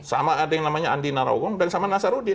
sama ada yang namanya andi narogong dan sama nasarudin